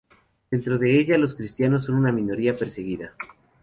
Dentro de ella, los cristianos son una minoría perseguida.